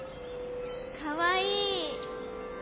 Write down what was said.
かわいい。